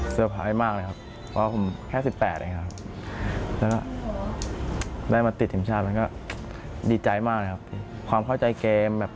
เซียบหายมากเลยครับ